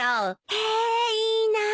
へえいいなぁ。